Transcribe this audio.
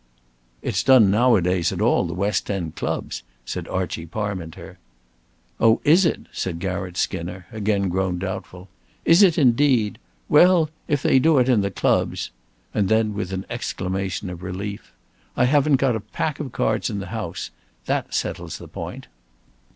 "It's done nowadays at the West End Clubs," said Archie Parminter. "Oh, is it?" said Garratt Skinner, again grown doubtful. "Is it, indeed? Well, if they do it in the Clubs " And then with an exclamation of relief "I haven't got a pack of cards in the house. That settles the point."